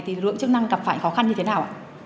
thì lực lượng chức năng gặp phải khó khăn như thế nào ạ